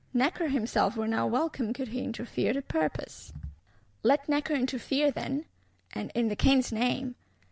Necker himself were now welcome, could he interfere to purpose. Let Necker interfere, then; and in the King's name!